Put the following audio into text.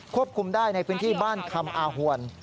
คุมได้ในพื้นที่บ้านคำอาหวน